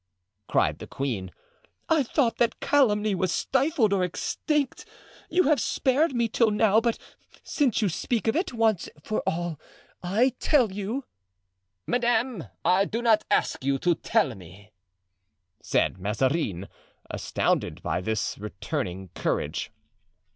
cried the queen. "I thought that calumny was stifled or extinct; you have spared me till now, but since you speak of it, once for all, I tell you——" "Madame, I do not ask you to tell me," said Mazarin, astounded by this returning courage.